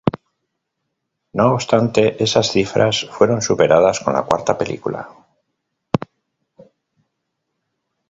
No obstante, esas cifras fueron superadas con la cuarta película.